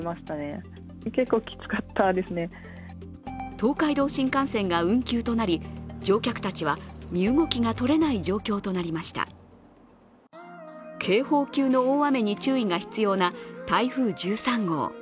東海道新幹線が運休となり乗客たちは身動きがとれない状態となりました警報級の大雨に注意が必要な台風１３号。